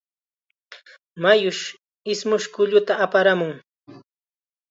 Mayush ismush kulluta aparamun.